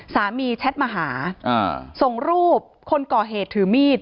แชทมาหาส่งรูปคนก่อเหตุถือมีด